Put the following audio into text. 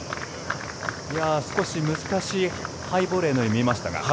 少し難しいハイボレーのように見えましたが。